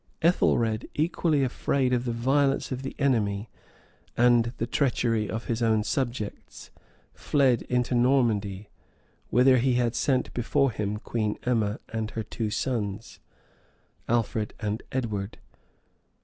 Ethelred equally afraid of the violence of the enemy, and the treachery of his own subjects, fled into Normandy, whither he had sent before him Queen Emma, and her two sons, Alfred and Edward.